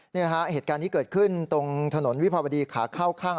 นี่นะฮะเหตุการณ์นี้เกิดขึ้นตรงถนนวิภาวดีขาเข้าข้าง